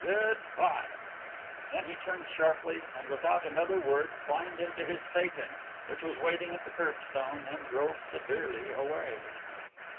Good bye!" Then he turned sharply, and without another word climbed into his phaeton, which was waiting at the curbstone, and drove severely away.